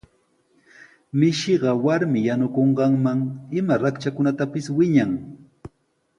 Mishiqa warmi yanukunqanman ima raktrakunatapis winan.